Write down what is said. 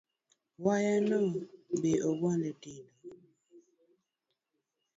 Wayano be ogwande tindo